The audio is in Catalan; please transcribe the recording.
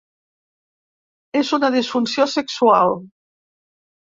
És una disfunció sexual.